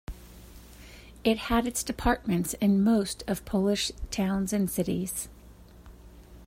It had its departments in most of Polish towns and cities.